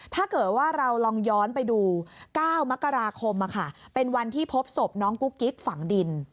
ถ้าเกิดว่าเราลองย้อนไปดู๙มกราคมเป็นวันที่พบศพน้องกุ๊กกิ๊กฝังดิน